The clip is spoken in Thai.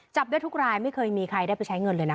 จับได้ทุกรายไม่เคยมีใครได้ไปใช้เงินเลยนะ